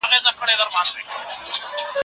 ادبي تاریخ باید په سمه توګه وپېژندل سي.